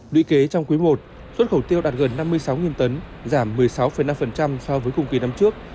lũy kế trong quý i xuất khẩu tiêu đạt gần năm mươi sáu tấn giảm một mươi sáu năm so với cùng kỳ năm trước